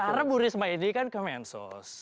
karena burisma ini kan kemensos